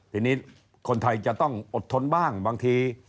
ทีนี้คนไทยจะต้องอดทนบ้างบางที